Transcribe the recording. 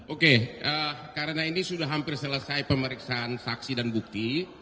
oke karena ini sudah hampir selesai pemeriksaan saksi dan bukti